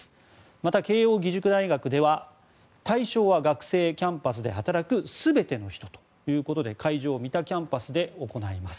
また、慶応義塾大学では対象は学生、キャンパスで働く全ての人ということで会場は三田キャンパスで行います。